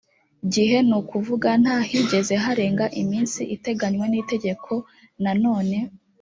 gihe ni ukuvuga nta higeze harenga iminsi iteganywa n itegeko na none